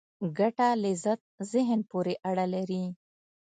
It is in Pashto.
ګټه لذت ذهن پورې اړه لري.